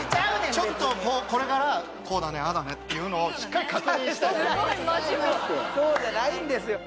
ちょっとこれからこうだねああだねっていうのをしっかり確認してそうじゃないんですよ